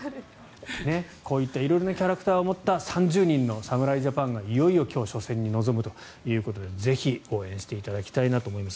こういった色々なキャラクターを持った３０人の侍ジャパンがいよいよ今日初戦に臨むということでぜひ応援していただきたいと思います。